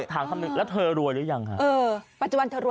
แล้วถามคำนึงแล้วเธอรวยหรือยังค่ะ